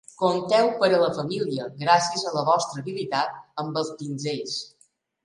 Compteu per a la família gràcies a la vostra habilitat amb els pinzells.